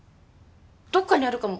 どっかにあるかも。